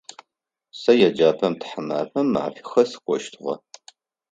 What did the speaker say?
Сэ еджапӏэм тхьамафэм мэфихэ сыкӏощтыгъэ.